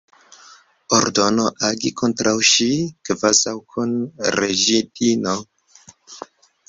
Ordono, agi kontraŭ ŝi, kvazaŭ kun reĝidino.